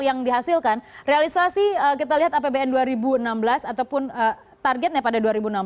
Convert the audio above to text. yang dihasilkan realisasi kita lihat apbn dua ribu enam belas ataupun targetnya pada dua ribu enam belas